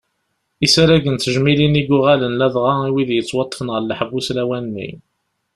Isaragen d tejmilin i yuɣalen ladɣa i wid yettwaṭṭfen ɣer leḥbus lawan-nni.